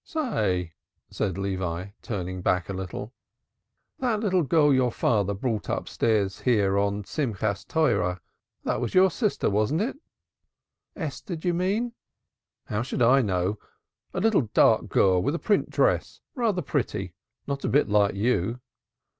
"Say," said Levi, turning back a little. "That little girl your father brought upstairs here on the Rejoicing of the Law, that was your sister, wasn't it?" "Esther, d'ye mean?" "How should I know? A little, dark girl, with a print dress, rather pretty not a bit like you."